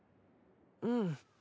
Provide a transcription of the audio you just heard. うん。